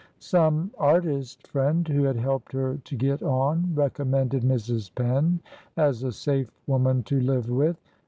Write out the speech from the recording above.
Some artist friend, who had helped her to get on, recommended Mrs. Penn as a safe woman to live with.